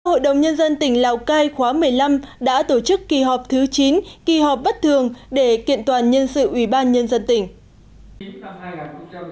hội đồng nhân dân tỉnh lào cai khóa một mươi năm đã tổ chức kỳ họp thứ chín kỳ họp bất thường để kiện toàn nhân sự ubnd tỉnh